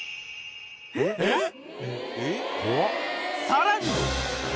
［さらに］